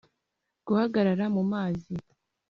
guhagarara mu mazi,